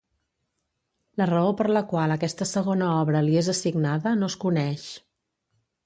La raó per la qual aquesta segona obra li és assignada no es coneix.